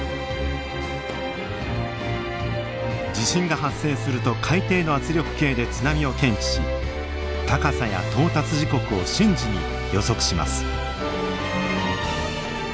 地震が発生すると海底の圧力計で津波を検知し高さや到達時刻を瞬時に予測します。